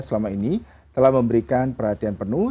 selama ini telah memberikan perhatian penuh